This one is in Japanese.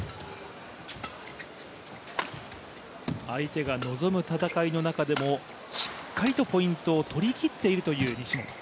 相手が臨む戦いの中でもしっかりとポイントを取り切っているという西本。